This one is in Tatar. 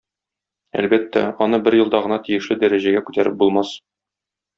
Әлбәттә, аны бер елда гына тиешле дәрәҗәгә күтәреп булмас.